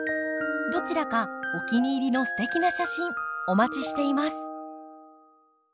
どちらかお気に入りのすてきな写真お待ちしています。